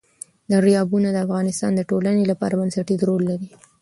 دریابونه د افغانستان د ټولنې لپاره بنسټيز رول لري.